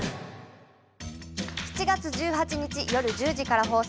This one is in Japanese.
７月１８日夜１０時から放送の「ＬＩＦＥ！夏」。